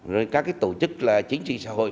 rồi các cái tổ chức chính trị xã hội